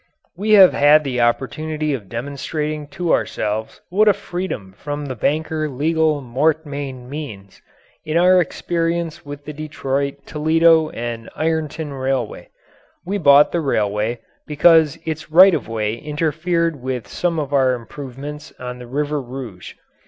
We have had the opportunity of demonstrating to ourselves what a freedom from the banker legal mortmain means, in our experience with the Detroit, Toledo & Ironton Railway. We bought the railway because its right of way interfered with some of our improvements on the River Rouge.